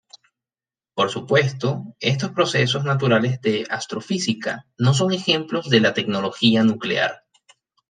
Por supuesto, estos procesos naturales de astrofísica no son ejemplos de la "tecnología" nuclear.